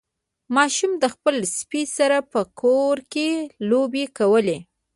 ماشوم د خپل سپي سره په کور کې لوبې کولې.